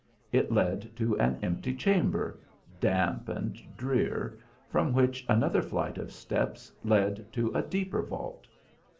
It led to an empty chamber, damp and drear, from which another flight of steps led to a deeper ilt.